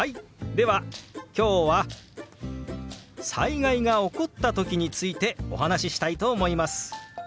では今日は災害が起こった時についてお話ししたいと思います。